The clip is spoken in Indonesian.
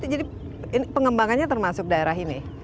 jadi pengembangannya termasuk daerah ini